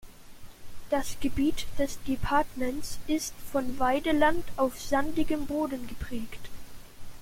Das Gebiet des Departements ist von Weideland auf sandigem Boden geprägt.